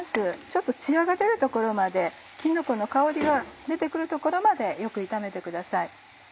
ちょっとツヤが出るところまできのこの香りが出て来るところまでよく炒めてください。